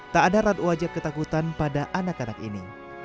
tak ada ratu wajib ketakutan pada anak anak ini